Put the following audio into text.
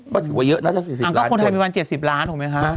ก็ถือว่าเยอะนะถ้าสี่สิบล้านคนอ่าก็ควรทำเป็นวันเจ็ดสิบล้านถูกไหมคะ